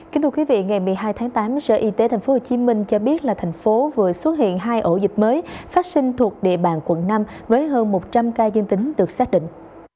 kính thưa quý vị ngày một mươi hai tháng tám sở y tế tp hcm cho biết là thành phố vừa xuất hiện hai ổ dịch mới phát sinh thuộc địa bàn quận năm với hơn một trăm linh ca dương tính được xác định